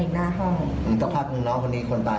เป็นแม่ของคนตายคนที่ห้องอยู่ติดกัน